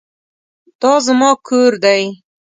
دا زما کور دی